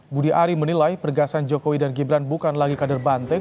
budi ari menilai pergasan jokowi dan gibran bukan lagi kader banteng